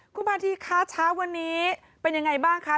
คุณพาธีคะเช้าวันนี้เป็นยังไงบ้างคะ